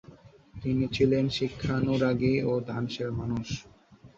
তিনি ছিলেন শিক্ষানুরাগী ও দানশীল মানুষ।